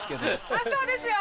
あっそうですよ。